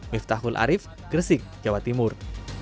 miftahul arief gresik jawa timur